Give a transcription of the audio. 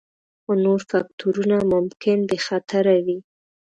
خو نور فکتورونه ممکن بې خطره وي